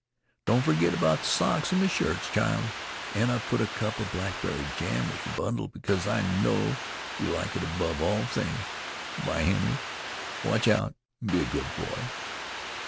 "Don't forgit about the socks and the shirts, child; and I've put a cup of blackberry jam with yer bundle, because I know yeh like it above all things. Good by, Henry. Watch out, and be a good boy."